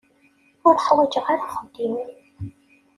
Ur ḥwaǧeɣ ara axeddim-im.